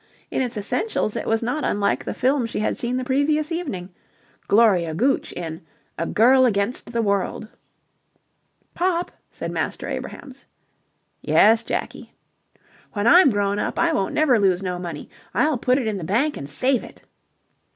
In its essentials it was not unlike the film she had seen the previous evening Gloria Gooch in "A Girl against the World." "Pop!" said Master Abrahams. "Yes, Jakie?" "When I'm grown up, I won't never lose no money. I'll put it in the bank and save it."